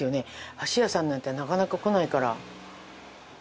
箸屋さんなんてなかなか来ないから。